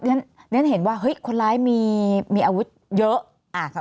เพราะฉะนั้นเห็นว่าคนร้ายมีอาวุธเยอะ